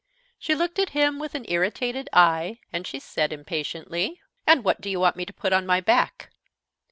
She looked at him with an irritated eye, and she said, impatiently: "And what do you want me to put on my back?"